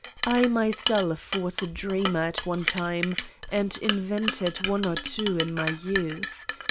I myself was a dreamer at one time and invented one or two in my youth